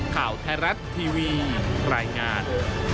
ข่าวไทยรัฐทีวีรายงาน